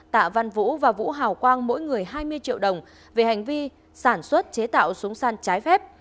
tạ văn vũ và vũ hào quang mỗi người hai mươi triệu đồng về hành vi sản xuất chế tạo súng săn trái phép